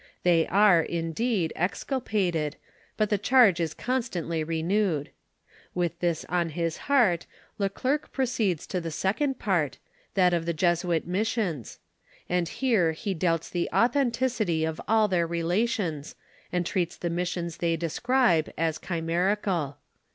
Tliey are, indeed, exculpated, but the charge is constantly renewed. With this on his heart, le Clercq proceeds to the second part, that of the Jesuit missions: and here he doubts the authenticity of all their Relations, and treats the mis sions they describe as chimerical.